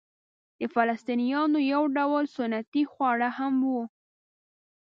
د فلسطنیانو یو ډول سنتي خواړه هم وو.